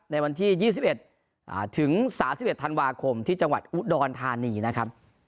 ในวันที่๒๑ถึง๓๑ธันวาคมที่จังหวัดอุดรธานีนะครับ